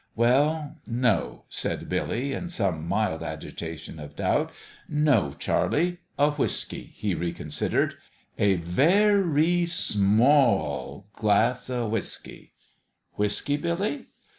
" Well, no," said Billy, in some mild agitation of doubt ;" no, Charlie. A whiskey," he recon sidered. " A ver ree sma a a al glass o' whiskey." "Whiskey, Billy?"